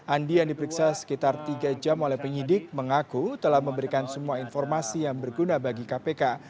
andi yang diperiksa sekitar tiga jam oleh penyidik mengaku telah memberikan semua informasi yang berguna bagi kpk